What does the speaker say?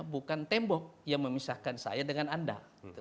bukan tembok yang memisahkan saya dengan anda